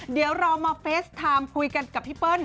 เดี๋ยวเรามาเฟสไทม์คุยกันกับพี่เปิ้ล